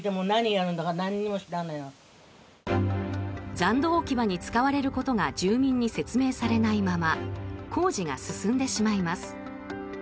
残土置き場に使われることが住民に説明されないまま工事が進んでしまいます。